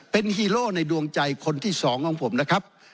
เป็นฮีโร่ในดวงใจคนที่สองของผมนะครับ